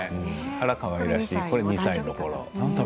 あら、かわいらしい２歳のころ。